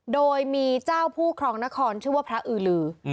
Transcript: โดยมีเจ้าผู้ครองนครชื่อว่าพระอือลือ